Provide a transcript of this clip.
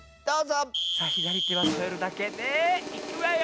さあひだりてはそえるだけでいくわよ！